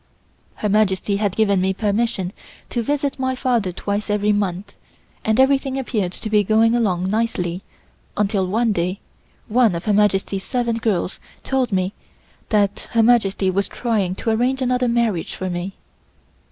Her Majesty had given me permission to visit my father twice every month, and everything appeared to be going along nicely until one day one of Her Majesty's servant girls told me that Her Majesty was trying to arrange another marriage for me.